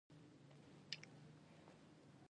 تقوا درې کاله عمر لري.